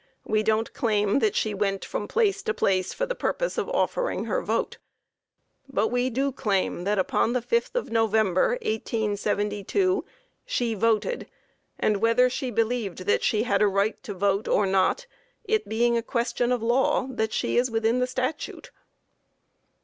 We don't claim that she went from place to place for the purpose of offering her vote. But we do claim that upon the 5th of November, 1872, she voted, and whether she believed that she had a right to vote or not, it being a question of law, that she is within the Statute.